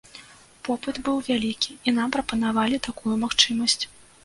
Попыт быў вялікі, і нам прапанавалі такую магчымасць.